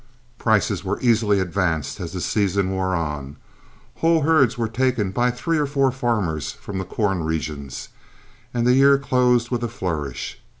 Prices were easily advanced as the season wore on, whole herds were taken by three or four farmers from the corn regions, and the year closed with a flourish.